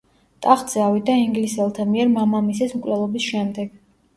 ტახტზე ავიდა ინგლისელთა მიერ მამამისის მკვლელობის შემდეგ.